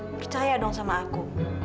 percaya dong sama aku